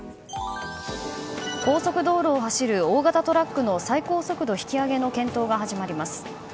高速道路を走る大型トラックの最高速度引き上げの検討が始まります。